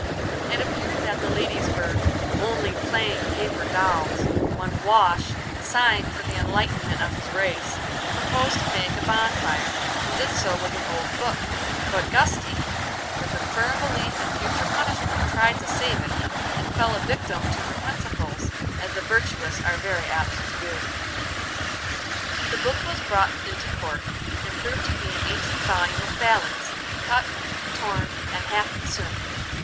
It appeared that the ladies were "only playing paper dolls," when Wash, sighing for the enlightenment of his race, proposed to make a bonfire, and did so with an old book; but Gusty, with a firm belief in future punishment, tried to save it, and fell a victim to her principles, as the virtuous are very apt to do. The book was brought into court, and proved to be an ancient volume of ballads, cut, torn, and half consumed.